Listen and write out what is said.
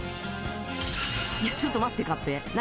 いやちょっと待って勝平何？